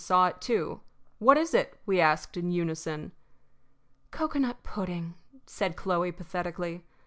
saw it too. "What is it?" we asked, in unison. "Cocoanut pudding," said Chloe, pathetically.